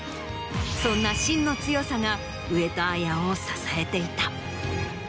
そんな芯の強さが上戸彩を支えていた。